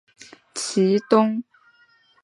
台在其东。